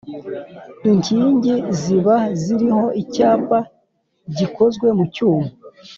Inkingi ziba ziriho icyapa gikozwe mu cyuma